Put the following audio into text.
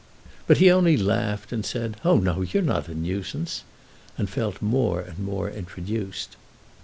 But he only laughed and said "Oh, no, you're not a nuisance!" and felt more and more introduced.